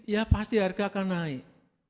ya pasti harga akan naik